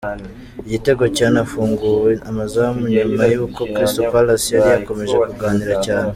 Igitego cyanafunguye amazamu nyuma y'uko Cyristal Palace yari yakomeje kugarira cyane.